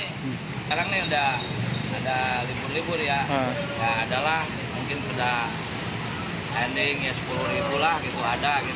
sekarang ini sudah ada libur libur ya adalah mungkin sudah ending ya sepuluh ribu lah gitu ada